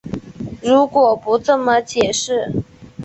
如果不这么解释